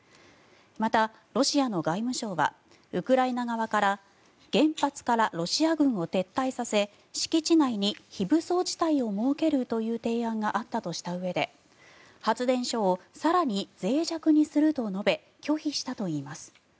また、ロシアの外務省はウクライナ側から原発からロシア軍を撤退させ敷地内に非武装地帯を設けるという提案があったとしたうえで発電所を更にぜい弱にすると述べ拒否したといいます。